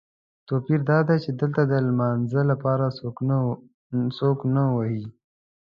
توپیر دادی چې دلته د لمانځه لپاره څوک نه وهي.